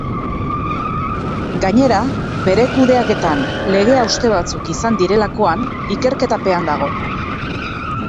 Gainera, bere kudeaketan lege hauste batzuk izan direlakoan ikerketa pean dago.